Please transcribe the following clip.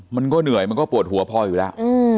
มันก็เหนื่อยมันก็ปวดหัวพออยู่แล้ว